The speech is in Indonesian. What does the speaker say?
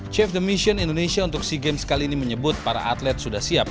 chef the mission indonesia untuk sea games kali ini menyebut para atlet sudah siap